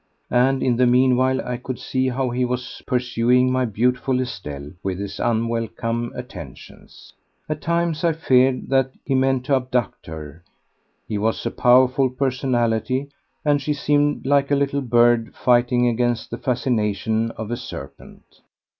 And in the meanwhile I could see how he was pursuing my beautiful Estelle with his unwelcome attentions. At times I feared that he meant to abduct her; his was a powerful personality and she seemed like a little bird fighting against the fascination of a serpent.